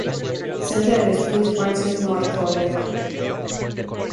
Centre d'Estudis Francesc Martorell.